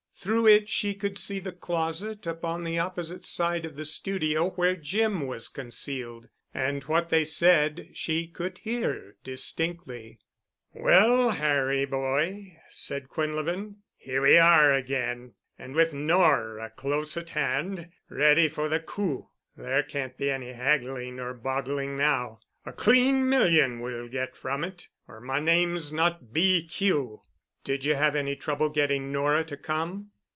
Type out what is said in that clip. Through it she could see the closet upon the opposite side of the studio where Jim was concealed, and what they said she could hear distinctly. "Well, Harry boy," said Quinlevin, "here we are again, and with Nora close at hand, ready for the 'coup.' There can't be any haggling or boggling now. A clean million we'll get from it, or my name's not B.Q." "Did you have any trouble getting Nora to come?"